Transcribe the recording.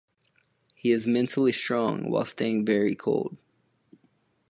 He is mentally strong while staying very cold.